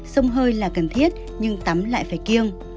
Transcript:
sông hơi là cần thiết nhưng tắm lại phải kiêng